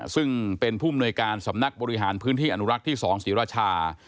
ซึ่งเป็นผู้มนวยการสำนักบริหารพื้นที่อนุรักษ์ที่๒ศรีราชา